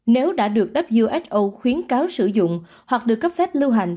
nếu đã được who khuyến cáo sử dụng hoặc được cấp phép lưu hành